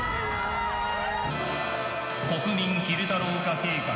国民昼太郎化計画。